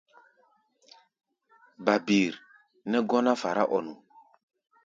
Babir nɛ́ gɔ́ná fará-ɔ-nu.